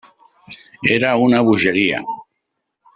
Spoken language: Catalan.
Era una bogeria.